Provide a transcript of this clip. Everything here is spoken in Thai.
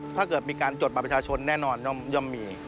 ถ้าเกิดมีการจดบัตรประชาชนแน่นอนย่อมมี